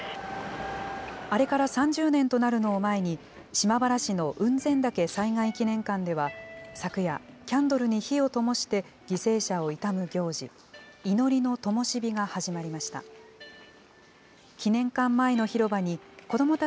あれから３０年となるのを前に、島原市の雲仙岳災害記念館では、昨夜、キャンドルに火をともして犠牲者を悼む行事、いのりの灯が始まりました。